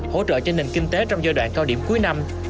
hỗ trợ cho nền kinh tế trong giai đoạn cao điểm cuối năm